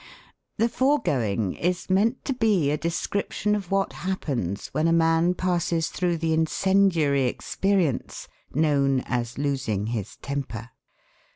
The foregoing is meant to be a description of what happens when a man passes through the incendiary experience known as 'losing his temper.'